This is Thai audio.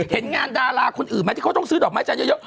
เห็นงานดาราคนอื่นไหมที่เขาต้องซื้อดอกไม้จันทร์เยอะ